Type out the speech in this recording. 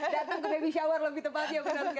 datang ke baby shower lebih tepat ya benar benar